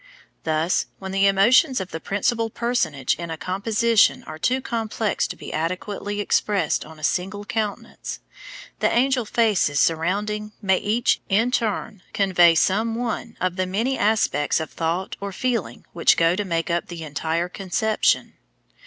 Thus, when the emotions of the principal personage in a composition are too complex to be adequately expressed on a single countenance, the angel faces surrounding may each, in turn, convey some one of the many aspects of thought or feeling which go to make up the entire conception.